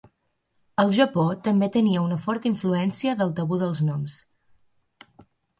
El Japó també tenia una forta influència del tabú dels noms.